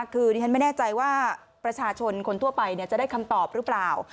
คือดิฉันไม่แน่ใจว่าประชาชนคนทั่วไปจะได้คำตอบหรือเปล่า